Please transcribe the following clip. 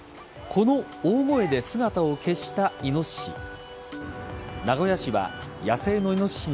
この大声で姿を消したイノシシ。